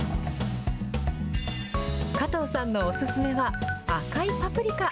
加藤さんのお勧めは、赤いパプリカ。